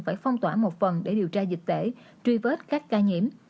phải phong tỏa một phần để điều tra dịch tễ truy vết các ca nhiễm